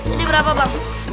ini berapa bang